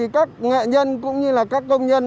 các nghệ nhân cũng như các công nhân